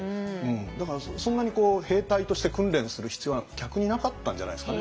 だからそんなに兵隊として訓練する必要は逆になかったんじゃないですかね。